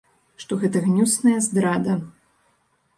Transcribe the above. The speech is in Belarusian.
Што гэта гнюсная здрада.